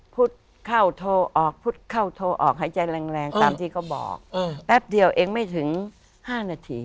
พุทธเข้าโทรออกพุธเข้าโทรออกหายใจแรงตามที่เขาบอกแป๊บเดียวเองไม่ถึง๕นาที